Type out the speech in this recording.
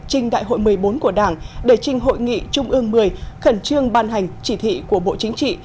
trình đại hội một mươi bốn của đảng để trình hội nghị trung ương một mươi khẩn trương ban hành chỉ thị của bộ chính trị